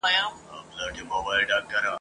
د علم زده کړه د نارینه او ښځینه دواړو حق دئ.